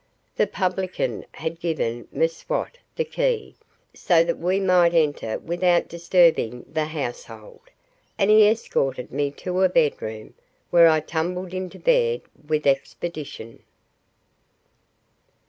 The publican had given M'Swat the key, so that we might enter without disturbing the household, and he escorted me to a bedroom, where I tumbled into bed with expedition.